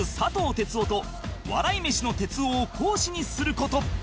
哲夫と笑い飯の哲夫を講師にする事